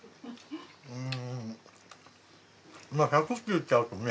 うん１００って言っちゃうとね